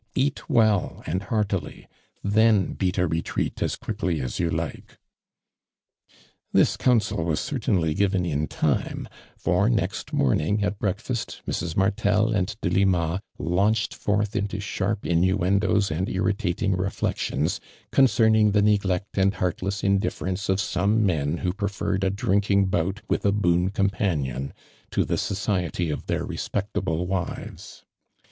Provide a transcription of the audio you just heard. Hat well and heartily — tlien oeat a retreat as quickly as you like." This counsel was certainly given in time, for next mominj;, at breakfast, Mrs. Martel and Delima, launclied forth into sharp inuendoesand irritating reflections concern ing the neglect and heartless indifference of some men who preferred a drinking bout with a boon companion to the society of their respectable wives.